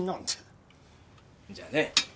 じゃあね